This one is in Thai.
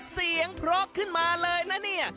เสียงเพราะขึ้นมาเลยนะเนี่ย